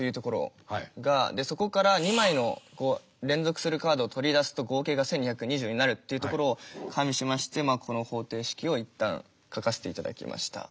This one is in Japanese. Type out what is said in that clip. でそこから２枚の連続するカードを取り出すと合計が１，２２４になるっていうところを加味しましてこの方程式を一旦書かせていただきました。